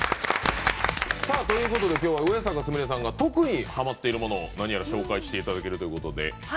きょうは上坂すみれさんが特にハマっているもの、何やら紹介していただけるということで。